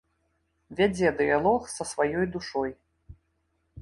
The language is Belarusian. Вядзе дыялог са сваёй душой.